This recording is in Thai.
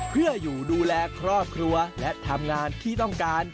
เพื่ออยู่ดูแลครอบครัวและทำงานที่ต้องการ